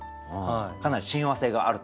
かなり親和性があると。